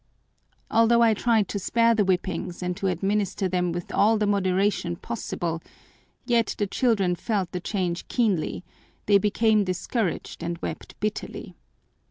Although I tried to spare the whippings and to administer them with all the moderation possible, yet the children felt the change keenly, they became discouraged and wept bitterly.